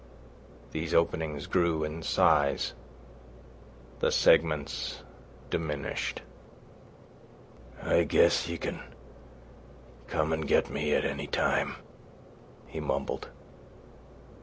These openings grew in size, the segments diminished. "I guess you can come an' get me any time," he mumbled.